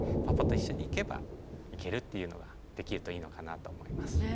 パパと一緒に行けば行けるっていうのができるといいのかなと思います。